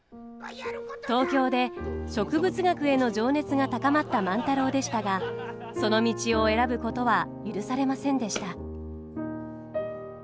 東京で植物学への情熱が高まった万太郎でしたがその道を選ぶことは許されませんでした。